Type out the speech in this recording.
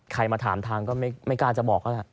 ใครมาถามทางไม่กล้าจะบอก